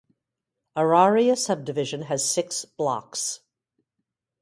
Araria subdivision has six blocks.